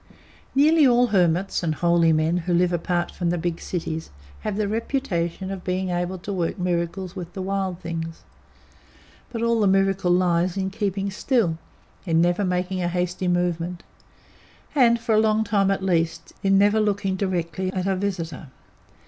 Nearly all hermits and holy men who live apart from the big cities have the reputation of being able to work miracles with the wild things, but all the miracle lies in keeping still, in never making a hasty movement, and, for a long time, at least, in never looking directly at a visitor.